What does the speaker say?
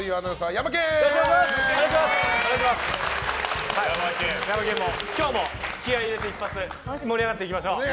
ヤマケンも今日も気合を入れて一発盛り上がっていきましょう。